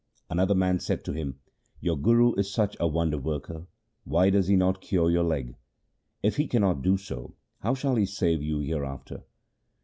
Another man said to him, ' Your Guru is such a wonder worker, why does he not cure your leg ? If he cannot do so, how shall he save you hereafter